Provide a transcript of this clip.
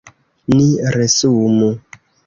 Ni resumu.